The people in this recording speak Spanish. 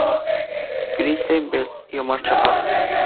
Kristen Bell y Omar Chaparro.